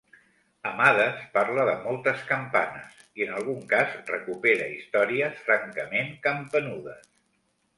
Amades parla de moltes campanes, i en algun cas recupera històries francament campanudes.